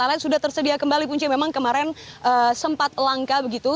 alat sudah tersedia kembali punca memang kemarin sempat langka begitu